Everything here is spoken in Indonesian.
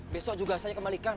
besok juga saya kembalikan